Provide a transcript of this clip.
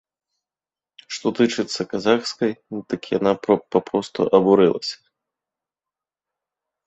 Што тычыцца казахскай, дык яна папросту абурылася.